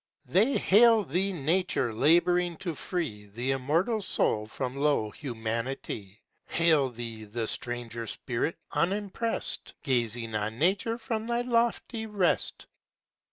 They hail Thee Nature labouring to free The Immortal Soul from low humanity; Hail Thee the stranger Spirit, unimpressed, Gazing on Nature from thy lofty rest.